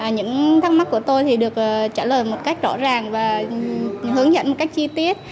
những thắc mắc của tôi thì được trả lời một cách rõ ràng và hướng dẫn một cách chi tiết